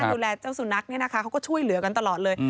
ดูแลเจ้าสุนัขเนี่ยนะคะเขาก็ช่วยเหลือกันตลอดเลย